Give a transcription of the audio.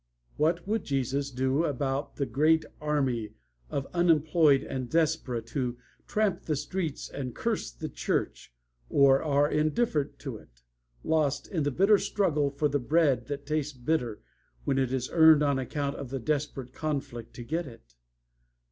"What would Jesus do about the great army of unemployed and desperate who tramp the streets and curse the church, or are indifferent to it, lost in the bitter struggle for the bread that tastes bitter when it is earned on account of the desperate conflict to get it?